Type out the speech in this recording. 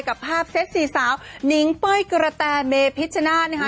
กับภาพเซ็ตสี่สาวนิ้งเป้อยเกอราแตร์เมพิชชนะนะคะ